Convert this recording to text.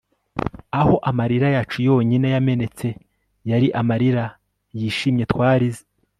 aho amarira yacu yonyine yamenetse yari amarira yishimye twarize